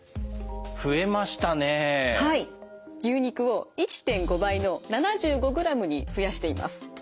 牛肉を１．５倍の７５ｇに増やしています。